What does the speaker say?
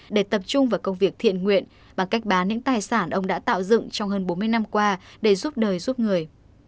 để tập trung vào công việc thiện nguyện bằng cách bán những tài sản ông đã tạo dựng trong hơn bốn mươi năm qua để giúp đời giúp người